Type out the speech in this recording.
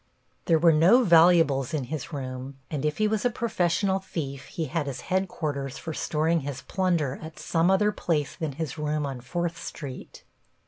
There were no valuables in his room, and if he was a professional thief he had his headquarters for storing his plunder at some other place than his room on Fourth Street.